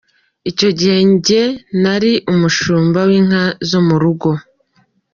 Icyo gihe njye nari umushumba w’inka zo mu rugo’’.